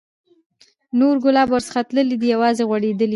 نور ګلاب ورڅخه تللي، دی یوازي غوړېدلی